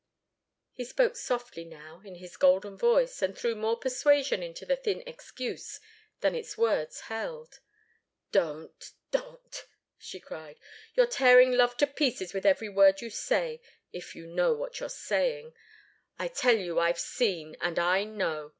He spoke softly now, in his golden voice, and threw more persuasion into the thin excuse than its words held. "Don't don't!" she cried. "You're tearing love to pieces with every word you say if you know what you're saying! I tell you I've seen, and I know!